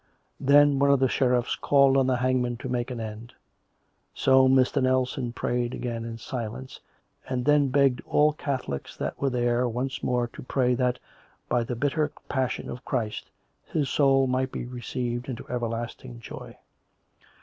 Then one of the sheriffs called on the hangman to make an end; so Mr. Nelson prayed again in silence, and then begged all Catholics that were there once more to pray that, by the bitter passion of Christ, his soul might be received into everlasting joy.